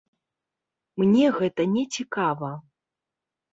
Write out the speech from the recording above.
Мне гэта не цікава.